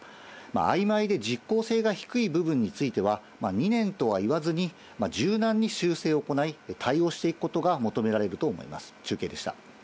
あいまいで実効性が低い部分については、２年とはいわずに、柔軟に修正を行い、対応していくことが求められると思います。